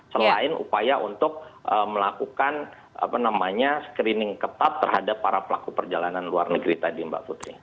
selain upaya untuk melakukan screening ketat terhadap para pelaku perjalanan luar negeri tadi mbak putri